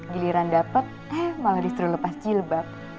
giliran dapet eh malah diserulupas jilbab